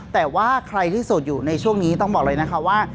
แต่ว่าใครที่โสดอยู่ในช่วงนี้ต้องบอกเลยนะคะว่า